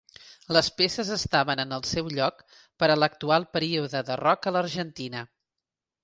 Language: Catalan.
Les peces estaven en el seu lloc per a l'actual període de rock a l'Argentina.